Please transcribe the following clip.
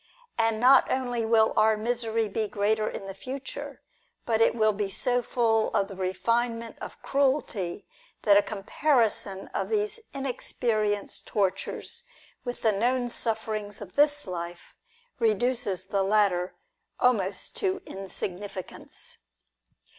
And not only will our misery be greater in the future, but it will be so full of the refinement of cruelty, that a comparison of these unexperienced tortures with the known sufferings of this life, reduces the latter almost to insignificance.